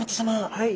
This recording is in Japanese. はい。